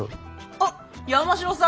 あっ山城さん！